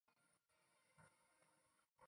该物种的模式产地在甘肃临潭。